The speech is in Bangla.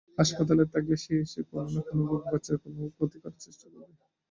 হাসপাতালে থাকলেই সে এসে কোনো-না কোনোভাবে বাচ্চার ক্ষতি করার চেষ্টা করবে।